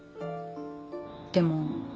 でも。